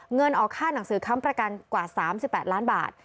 เงินออกค่าหนังสือค้ำประกันกว่า๓๘ล้านบาท